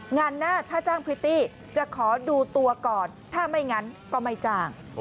งานหน้าถ้าจ้างพริตตี้จะขอดูตัวก่อนถ้าไม่งั้นก็ไม่จ้าง